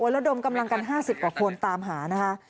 ระดมกำลังกัน๕๐กว่าคนตามหานะคะ